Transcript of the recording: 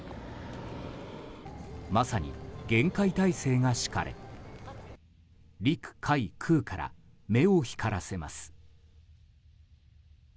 まさに厳戒態勢が敷かれ陸海空から目を光らせます。